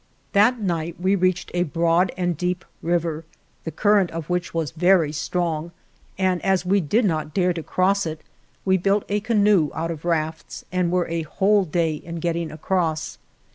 That night" we reached a broad and deep river, the current of which was very strong and as we* did not dare to cross it, we built a canoe out of rafts and were a whole day in getting across.